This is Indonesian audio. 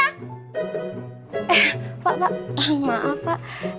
eh pak pak mohon maaf pak